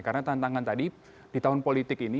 karena tantangan tadi di tahun politik ini